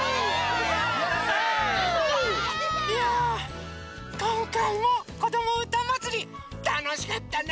いやこんかいも「こどもうたまつり」たのしかったね！